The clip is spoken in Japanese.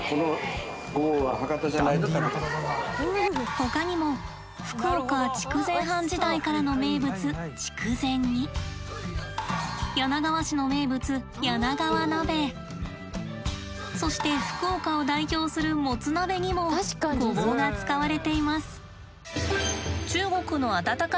ほかにも福岡筑前藩時代からの名物柳川市の名物そして福岡を代表するもつ鍋にもごぼうが使われています。